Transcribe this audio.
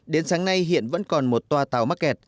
đến sáng nay hiện vẫn còn một tòa tàu mắc kẹt